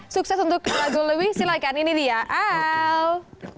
sukses untuk lagu lewi silahkan ini dia el